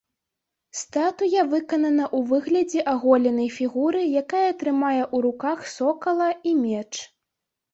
Статуя выканана ў выглядзе аголенай фігуры, якая трымае ў руках сокала і меч.